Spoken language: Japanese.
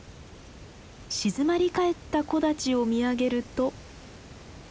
静まり返った木立を見上げると。